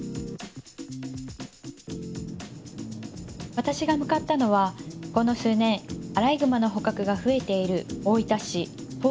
私が向かったのはこの数年アライグマの捕獲が増えている大分市東部。